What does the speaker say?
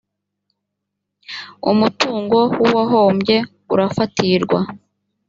umutungo w’uwahombye urafatirwa.